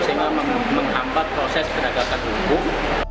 sehingga menghambat proses penegakan hukum